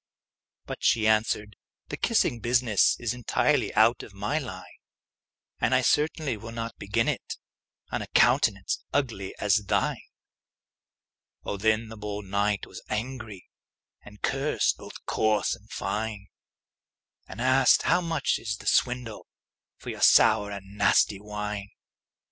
But she answered, "The kissing business Is entirely out of my line; And I certainly will not begin it On a countenance ugly as thine!" Oh, then the bold knight was angry, And cursed both coarse and fine; And asked, "How much is the swindle For your sour and nasty wine?"